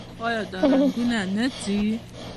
آیا دا رنګونه نه ځي؟